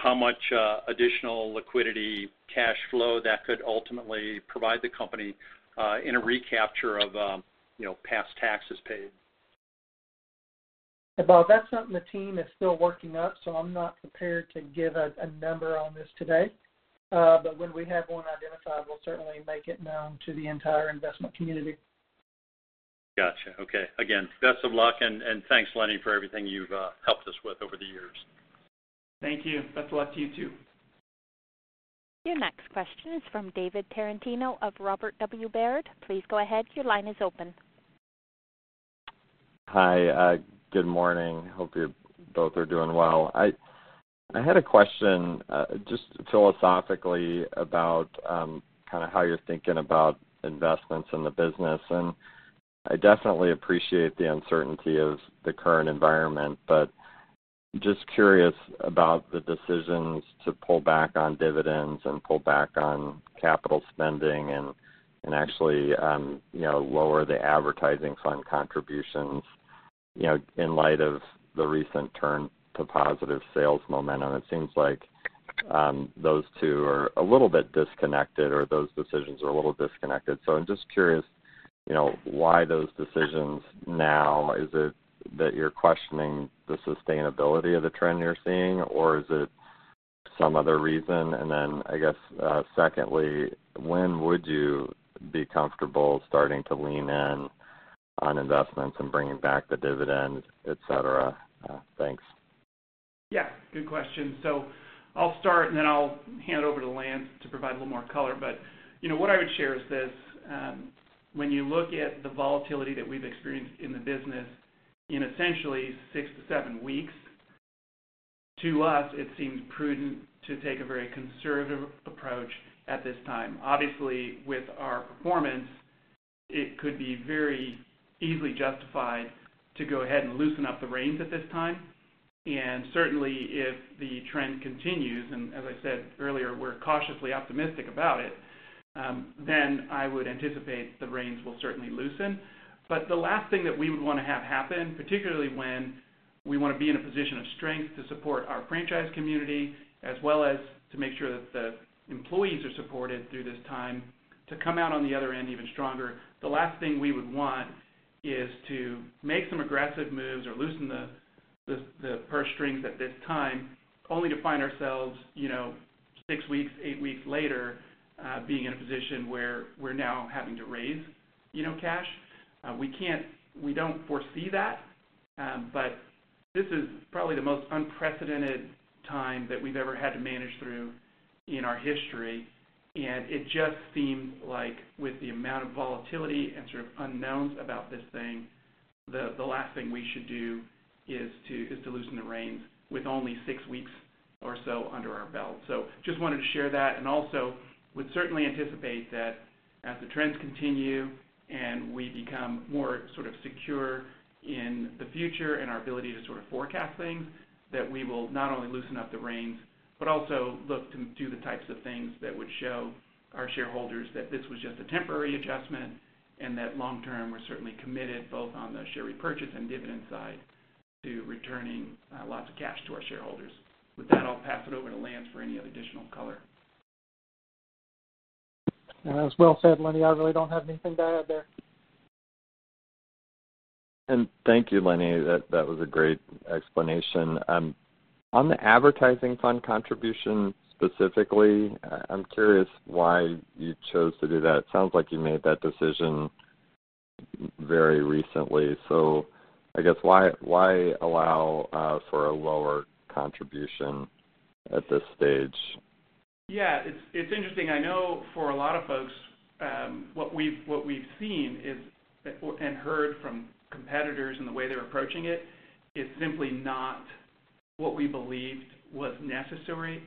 how much additional liquidity, cash flow that could ultimately provide the company in a recapture of past taxes paid? Yeah, Bob, that's something the team is still working up, so I'm not prepared to give a number on this today. But when we have one identified, we'll certainly make it known to the entire investment community. Gotcha. Okay. Again, best of luck. Thanks, Lenny, for everything you've helped us with over the years. Thank you. Best of luck to you too. Your next question is from David Tarantino of Robert W. Baird. Please go ahead. Your line is open. Hi. Good morning. Hope you both are doing well. I had a question just philosophically about kind of how you're thinking about investments in the business. And I definitely appreciate the uncertainty of the current environment, but just curious about the decisions to pull back on dividends and pull back on capital spending and actually lower the advertising fund contributions in light of the recent turn to positive sales momentum. It seems like those two are a little bit disconnected or those decisions are a little disconnected. So I'm just curious why those decisions now. Is it that you're questioning the sustainability of the trend you're seeing, or is it some other reason? And then I guess secondly, when would you be comfortable starting to lean in on investments and bringing back the dividends, etc.? Thanks. Yeah. Good question. So I'll start, and then I'll hand it over to Lance to provide a little more color. But what I would share is this. When you look at the volatility that we've experienced in the business in essentially 6-7 weeks, to us, it seems prudent to take a very conservative approach at this time. Obviously, with our performance, it could be very easily justified to go ahead and loosen up the reins at this time. And certainly, if the trend continues and as I said earlier, we're cautiously optimistic about it, then I would anticipate the reins will certainly loosen. But the last thing that we would want to have happen, particularly when we want to be in a position of strength to support our franchise community as well as to make sure that the employees are supported through this time, to come out on the other end even stronger, the last thing we would want is to make some aggressive moves or loosen the purse strings at this time only to find ourselves 6 weeks, 8 weeks later being in a position where we're now having to raise cash. We don't foresee that. But this is probably the most unprecedented time that we've ever had to manage through in our history. And it just seems like with the amount of volatility and sort of unknowns about this thing, the last thing we should do is to loosen the reins with only 6 weeks or so under our belt. Just wanted to share that. Also, would certainly anticipate that as the trends continue and we become more sort of secure in the future and our ability to sort of forecast things, that we will not only loosen up the reins but also look to do the types of things that would show our shareholders that this was just a temporary adjustment and that long-term, we're certainly committed both on the share repurchase and dividend side to returning lots of cash to our shareholders. With that, I'll pass it over to Lance for any additional color. Yeah. As well said, Lenny, I really don't have anything to add there. Thank you, Lenny. That was a great explanation. On the advertising fund contribution specifically, I'm curious why you chose to do that. It sounds like you made that decision very recently. So I guess why allow for a lower contribution at this stage? Yeah. It's interesting. I know for a lot of folks, what we've seen and heard from competitors and the way they're approaching it is simply not what we believed was necessary.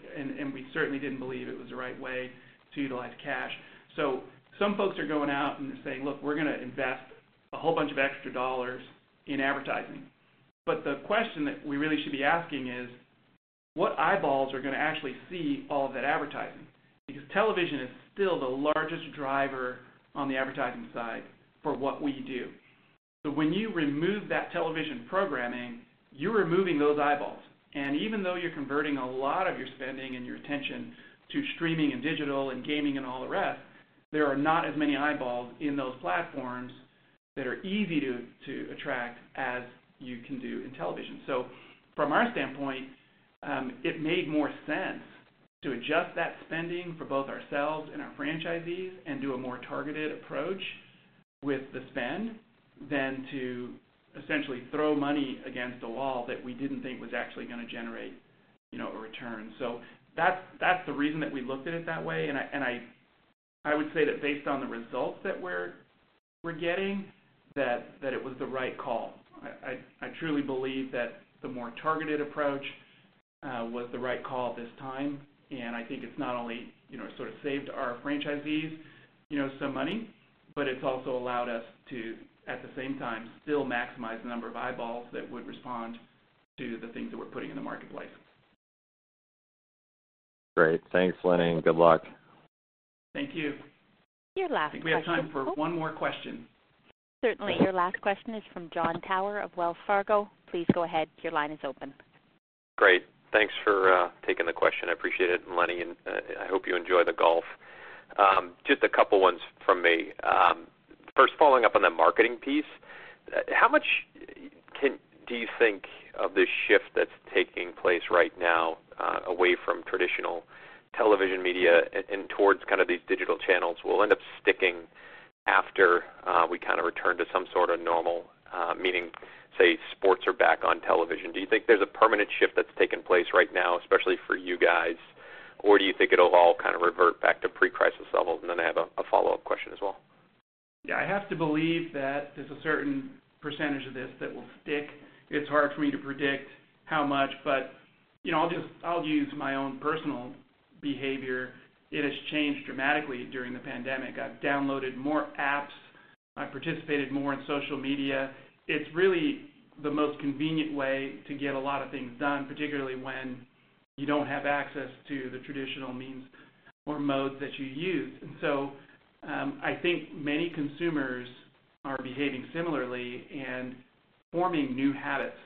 We certainly didn't believe it was the right way to utilize cash. Some folks are going out, and they're saying, "Look, we're going to invest a whole bunch of extra dollars in advertising." The question that we really should be asking is what eyeballs are going to actually see all of that advertising? Because television is still the largest driver on the advertising side for what we do. When you remove that television programming, you're removing those eyeballs. And even though you're converting a lot of your spending and your attention to streaming and digital and gaming and all the rest, there are not as many eyeballs in those platforms that are easy to attract as you can do in television. So from our standpoint, it made more sense to adjust that spending for both ourselves and our franchisees and do a more targeted approach with the spend than to essentially throw money against a wall that we didn't think was actually going to generate a return. So that's the reason that we looked at it that way. And I would say that based on the results that we're getting, that it was the right call. I truly believe that the more targeted approach was the right call at this time. I think it's not only sort of saved our franchisees some money, but it's also allowed us to, at the same time, still maximize the number of eyeballs that would respond to the things that we're putting in the marketplace. Great. Thanks, Lenny. Good luck. Thank you. Your last question. Thank you. We have time for one more question. Certainly. Your last question is from Jon Tower of Wells Fargo. Please go ahead. Your line is open. Great. Thanks for taking the question. I appreciate it, Lenny. And I hope you enjoy the golf. Just a couple of ones from me. First, following up on the marketing piece, how much do you think of this shift that's taking place right now away from traditional television media and towards kind of these digital channels will end up sticking after we kind of return to some sort of normal, meaning, say, sports are back on television? Do you think there's a permanent shift that's taken place right now, especially for you guys, or do you think it'll all kind of revert back to pre-crisis levels? And then I have a follow-up question as well. Yeah. I have to believe that there's a certain percentage of this that will stick. It's hard for me to predict how much. But I'll use my own personal behavior. It has changed dramatically during the pandemic. I've downloaded more apps. I've participated more in social media. It's really the most convenient way to get a lot of things done, particularly when you don't have access to the traditional means or modes that you use. And so I think many consumers are behaving similarly and forming new habits.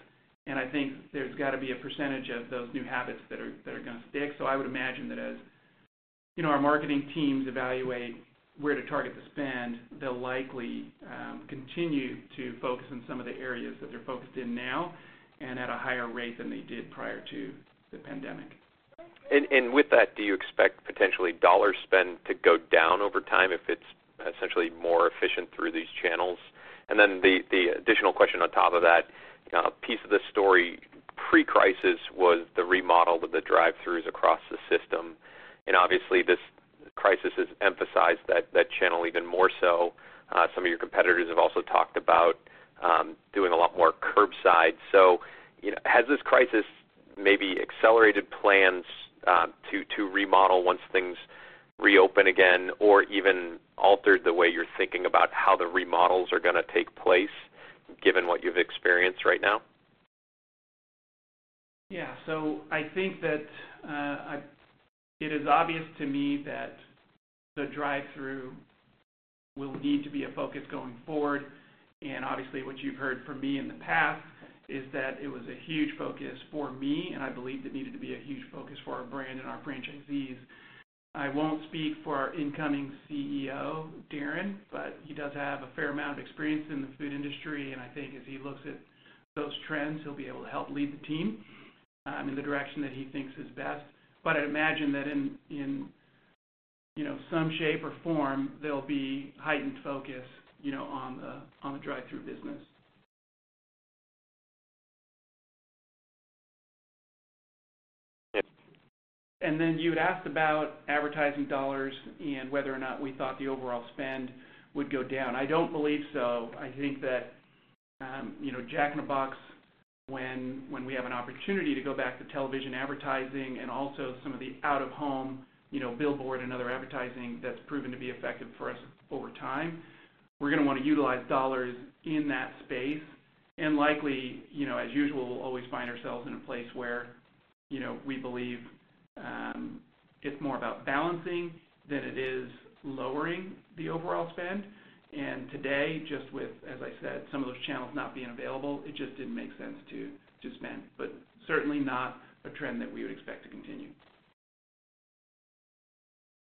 And I think there's got to be a percentage of those new habits that are going to stick. So I would imagine that as our marketing teams evaluate where to target the spend, they'll likely continue to focus in some of the areas that they're focused in now and at a higher rate than they did prior to the pandemic. With that, do you expect potentially dollar spend to go down over time if it's essentially more efficient through these channels? Then the additional question on top of that piece of the story: pre-crisis was the remodel of the drive-thrus across the system. Obviously, this crisis has emphasized that channel even more so. Some of your competitors have also talked about doing a lot more curbside. So has this crisis maybe accelerated plans to remodel once things reopen again or even altered the way you're thinking about how the remodels are going to take place given what you've experienced right now? Yeah. So I think that it is obvious to me that the drive-through will need to be a focus going forward. And obviously, what you've heard from me in the past is that it was a huge focus for me, and I believe it needed to be a huge focus for our brand and our franchisees. I won't speak for our incoming CEO, Darin, but he does have a fair amount of experience in the food industry. And I think as he looks at those trends, he'll be able to help lead the team in the direction that he thinks is best. But I'd imagine that in some shape or form, there'll be heightened focus on the drive-through business. And then you had asked about advertising dollars and whether or not we thought the overall spend would go down. I don't believe so.I think that Jack in the Box, when we have an opportunity to go back to television advertising and also some of the out-of-home billboard and other advertising that's proven to be effective for us over time, we're going to want to utilize dollars in that space. And likely, as usual, we'll always find ourselves in a place where we believe it's more about balancing than it is lowering the overall spend. And today, just with, as I said, some of those channels not being available, it just didn't make sense to spend, but certainly not a trend that we would expect to continue.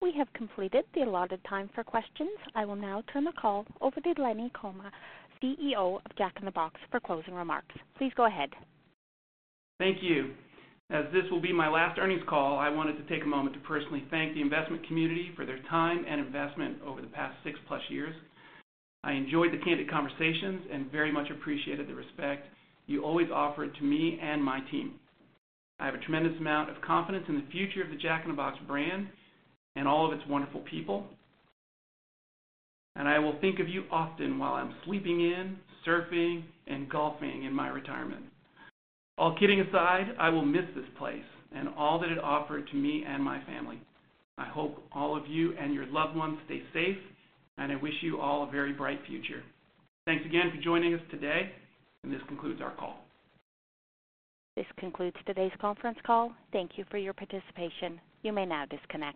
We have completed the allotted time for questions. I will now turn the call over to Lenny Comma, CEO of Jack in the Box, for closing remarks. Please go ahead. Thank you. As this will be my last earnings call, I wanted to take a moment to personally thank the investment community for their time and investment over the past 6+ years. I enjoyed the candid conversations and very much appreciated the respect you always offered to me and my team. I have a tremendous amount of confidence in the future of the Jack in the Box brand and all of its wonderful people. I will think of you often while I'm sleeping in, surfing, and golfing in my retirement. All kidding aside, I will miss this place and all that it offered to me and my family. I hope all of you and your loved ones stay safe, and I wish you all a very bright future. Thanks again for joining us today. This concludes our call. This concludes today's conference call. Thank you for your participation. You may now disconnect.